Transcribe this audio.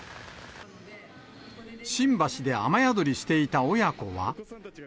新橋で雨宿りしていた親子は。